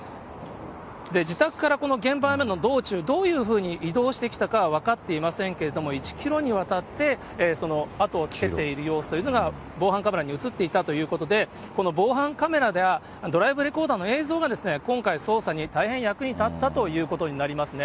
自宅からこの現場までの道中、どういうふうに移動してきたかは分かっていませんけれども、１キロにわたってその後をつけている様子というのが、防犯カメラに写っていたということで、この防犯カメラやドライブレコーダーの映像が、今回、捜査に大変役に立ったということになりますね。